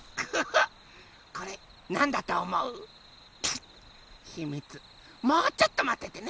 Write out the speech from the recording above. もうちょっとまっててね。